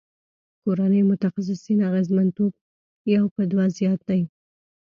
کورني متخصصین اغیزمنتوب یو په دوه زیات دی.